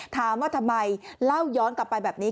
ถามว่าทำไมเล่าย้อนกลับไปแบบนี้